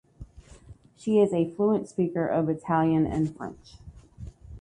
She is a fluent speaker of Italian and French.